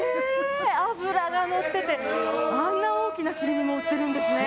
脂が乗ってて、こんな大きな切り身も売ってるんですね。